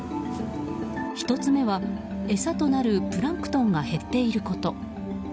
１つ目は、餌となるプランクトンが減っていること。